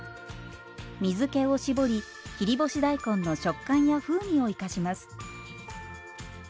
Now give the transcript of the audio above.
水けをしぼり切り干し大根の食感や風味を生かします。